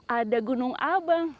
ada gunung abang